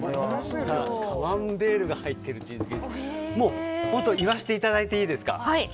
カマンベールが入っているチーズケーキということでもう本当、言わせていただいていいですか？